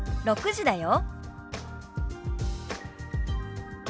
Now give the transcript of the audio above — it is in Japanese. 「６時だよ」。